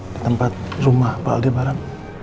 di tempat rumah pak aldebaran